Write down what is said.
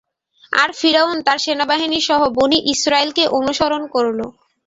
আর ফিরআউন তার সেনাবাহিনীসহ বনী ইসরাঈলকে অনুসরণ করল।